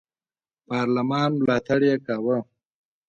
پارلمان ملاتړ یې کاوه.